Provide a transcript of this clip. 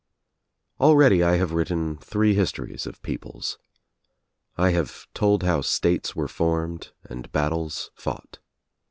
Already I have written three histories of peoples. I have told how states were formed and battles fought.